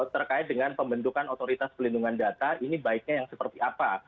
terkait dengan pembentukan otoritas pelindungan data ini baiknya yang seperti apa